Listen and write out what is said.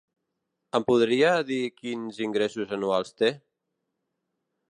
Em podria dir quins ingressos anuals té?